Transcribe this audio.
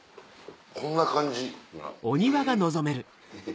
こんな感じえぇ。